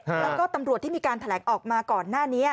แล้วก็ตำรวจที่มีการแถลงออกมาก่อนหน้านี้